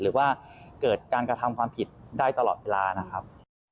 หรือว่าเกิดการกระทำความผิดได้ตลอดเวลานะครับ